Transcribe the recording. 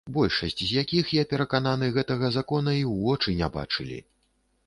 Большасць з якіх, я перакананы, гэтага закона і ў вочы не бачылі.